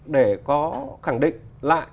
để có khẳng định lại